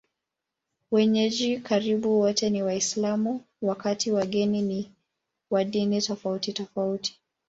Wenyeji karibu wote ni Waislamu, wakati wageni ni wa dini tofautitofauti.